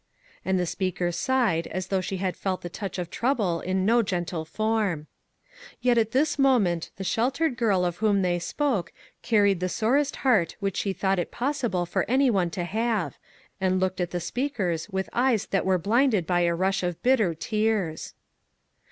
And the speaker sighed, as though she had felt the touch of trouble in no gentle form. Yet at this moment the sheltered girl of whom they spoke carried the sorest heart which she thought it possible for any one to have, and looked at the speakers with eyes that were blinded by a rush of bitter tears.